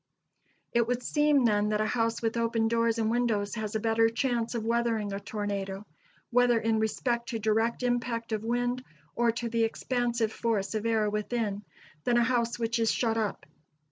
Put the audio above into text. It would seem, then, that a house with open doors and windows has a better chance of weathering a tornado, whether in respect to direct impact of wind, or to the expansive force of air within, than a house which is shut up.